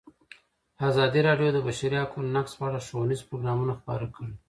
ازادي راډیو د د بشري حقونو نقض په اړه ښوونیز پروګرامونه خپاره کړي.